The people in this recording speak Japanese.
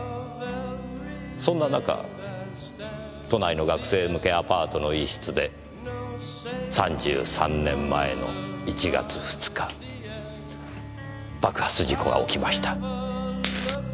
そんな中都内の学生向けアパートの１室で３３年前の１月２日爆発事故は起きました。